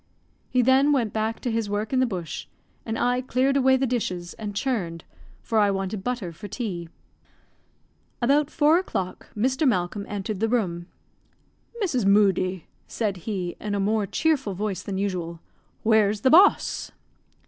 He then went back to his work in the bush, and I cleared away the dishes, and churned, for I wanted butter for tea. About four o'clock Mr. Malcolm entered the room. "Mrs. Moodie," said he, in a more cheerful voice than usual, "where's the boss?"